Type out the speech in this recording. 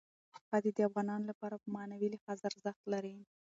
ښتې د افغانانو لپاره په معنوي لحاظ ارزښت لري.